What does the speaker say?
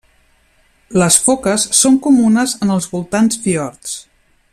Les foques són comunes en els voltants fiords.